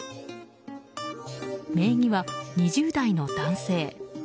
名義は２０代の男性。